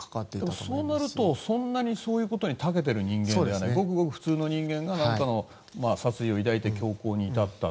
でも、そうなるとそんなにこういうことに長けている人間ではなくごくごく普通の意人間が何かの殺意を抱いて凶行に至った。